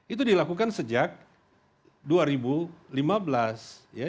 itu dilakukan sejak dua ribu lima belas